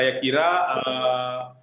nah saya kira sebagian dari media media indonesia